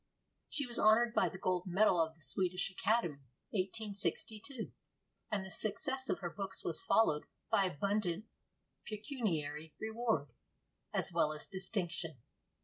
She was honored by the gold medal of the Swedish Academy (1862), and the success of her books was followed by abundant pecuniary reward as well as distinction.